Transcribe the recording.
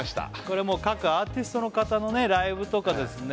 これもう各アーティストの方のライブとかですね